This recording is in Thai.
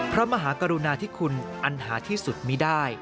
พระมหากรุณาธิคุณอันหาที่สุดมีได้